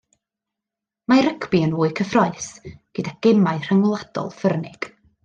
Mae rygbi yn fwy cyffrous, gyda gemau rhyngwladol ffyrnig